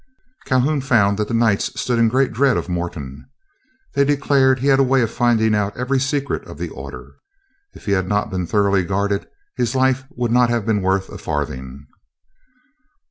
Calhoun found that the Knights stood in great dread of Morton. They declared he had a way of finding out every secret of the order. If he had not been thoroughly guarded, his life would not have been worth a farthing.